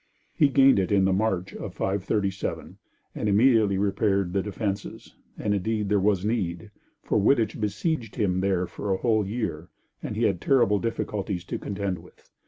He gained it in the March of 537, and immediately repaired the defences; and indeed there was need, for Wittich besieged him there for a whole year, and he had terrible difficulties to contend with.